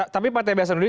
tapi pak t b s nuri